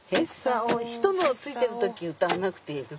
人のをついてる時歌わなくていい。